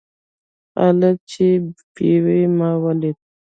خالد چې بېوى؛ ما وليدئ.